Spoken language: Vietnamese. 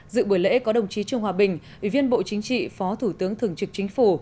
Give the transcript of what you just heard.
dự buổi lễ có đồng chí trương hòa bình ủy viên bộ chính trị phó thủ tướng thường trực chính phủ